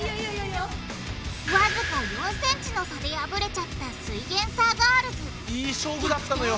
わずか４ｃｍの差で敗れちゃったすイエんサーガールズいい勝負だったのよ。